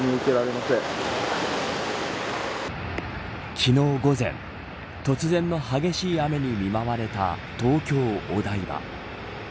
昨日午前突然の激しい雨に見舞われた東京・お台場。